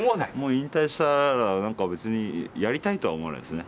引退したら何か別にやりたいとは思わないですね。